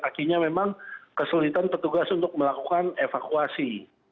akhirnya memang kesulitan petugas untuk melakukan evakuasi